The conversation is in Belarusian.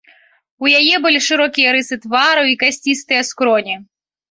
У яе былі шырокія рысы твару і касцістыя скроні.